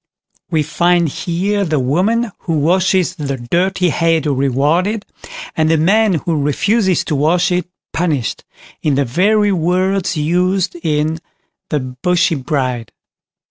We find here the woman who washes the dirty head rewarded, and the man who refuses to wash it punished, in the very words used in "The Bushy Bride".